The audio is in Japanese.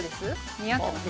似合ってます？